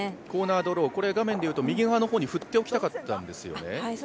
コーナードロー、画面で言うと右側の方に振っておきたかったんですよね。